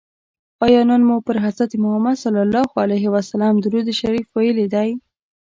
آیا نن مو پر حضرت محمد صلی الله علیه وسلم درود شریف ویلي دی؟